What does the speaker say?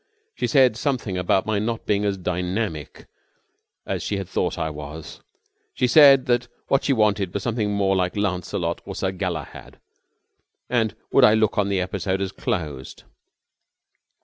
She said something about my not being as dynamic as she had thought I was. She said that what she wanted was something more like Lancelot or Sir Galahad, and would I look on the episode as closed."